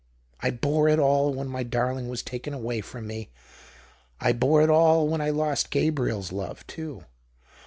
I bore it all when my darling was taken away from me. I bore it all when I lost Gabriel's love, too.